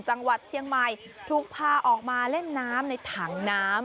จังหวัดเชียงใหม่ถูกพาออกมาเล่นน้ำในถังน้ำ